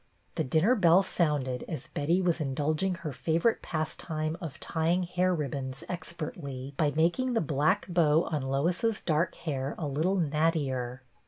The dinner bell sounded as Betty was indulging her favorite pastime of tying hair ribbons expertly by making the black bow on Lois's dark hair a little nattier.